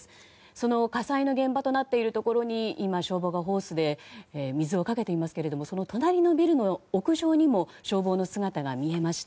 その火災現場となっているところに今、消防がホースで水をかけていますが、隣のビルの屋上にも消防の姿が見えました。